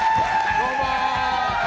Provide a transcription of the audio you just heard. どうも！